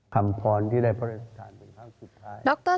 คำพรที่ได้พระราชทานเป็นครั้งสุดท้าย